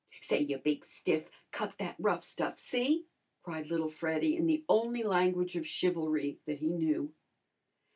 "Say, ya big stiff, cut out that rough stuff, see?" cried little Freddy in the only language of chivalry that he knew.